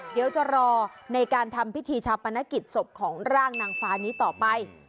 เดี๋ยวจะรอในการทำพิธีชาปนกิจศพของร่างนางฟ้านี้ต่อไป